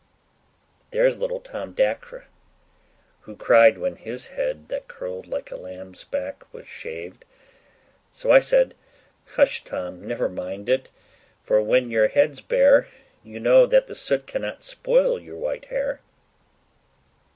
There's little Tom Dacre, who cried when his head, That curled like a lamb's back, was shaved; so I said, 'Hush, Tom! never mind it, for, when your head's bare, You know that the soot cannot spoil your white hair.